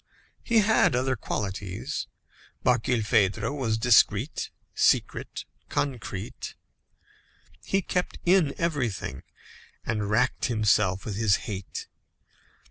He had other qualities. Barkilphedro was discreet, secret, concrete. He kept in everything and racked himself with his hate.